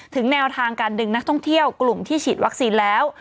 แนวทางการดึงนักท่องเที่ยวกลุ่มที่ฉีดวัคซีนแล้ว